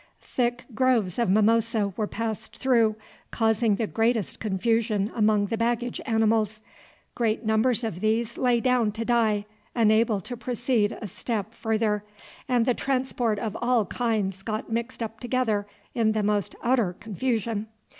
Thick groves of mimosa were passed through, causing the greatest confusion among the baggage animals. Great numbers of these lay down to die, unable to proceed a step further, and the transport of all kinds got mixed up together in the most utter confusion.